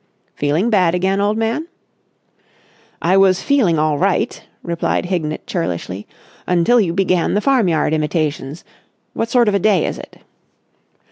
"Feeling bad again, old man?" "I was feeling all right," replied Hignett churlishly, "until you began the farmyard imitations. What sort of a day is it?"